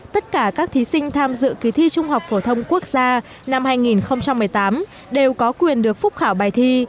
tất cả các thí sinh tham dự kỳ thi trung học phổ thông quốc gia năm hai nghìn một mươi tám đều có quyền được phúc khảo bài thi